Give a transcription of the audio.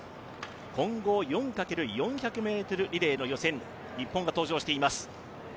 混合４×４００ｍリレーの予選、日本が登場しています。